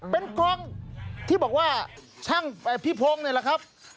เป็นกองที่บอกว่าช่างพี่พงศ์นี่แหละครับ